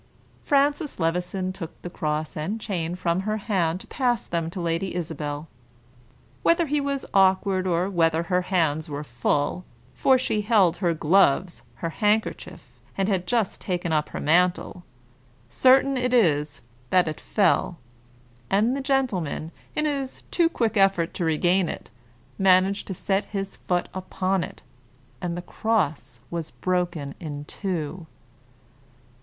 Francis Levison took the cross and chain from her hand to pass them to Lady Isabel. Whether he was awkward, or whether her hands were full, for she held her gloves, her handkerchief, and had just taken up her mantle, certain it is that it fell; and the gentleman, in his too quick effort to regain it, managed to set his foot upon it, and the cross was broken in two.